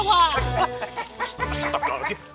masih tetap bilang lagi